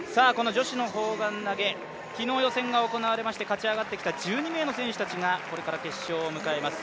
女子の砲丸投、昨日予選が行われまして勝ち上がってきた１２名の選手たちがこれから決勝を迎えます。